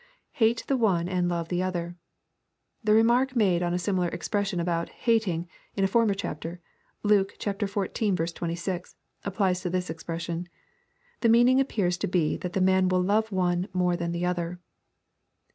[Hate the one and love the other.] The remark made on a similar expression about "hating," in a former chapter, (Luke xiv. 26,) applies to this expression. The meaning appears to be that the man will love one more than the other.